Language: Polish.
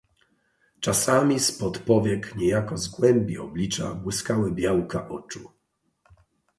"Czasami z pod powiek, niejako z głębi oblicza błyskały białka oczu."